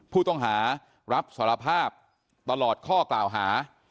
ผู้ต้องหารับสารภาพตลอดข้อกล่าวหา